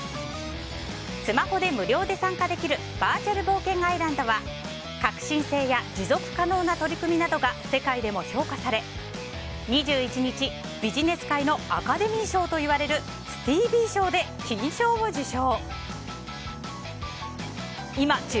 スマホで無料で参加できるバーチャル冒険アイランドは革新性や持続可能な取り組みなどが世界でも評価され２１日、ビジネス界のアカデミー賞といわれるスティービー賞で金賞を受賞。